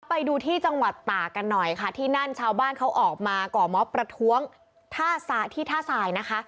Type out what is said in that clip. ไปดูที่จังหวัดตากันหน่อยค่ะที่นั่นชาวบ้านเขาออกมาก่อมอบประท้วงท่าที่ท่าทรายนะคะ